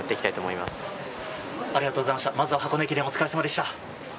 まずは箱根駅伝、お疲れ様でした。